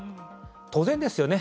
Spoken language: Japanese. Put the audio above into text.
当然ですよね。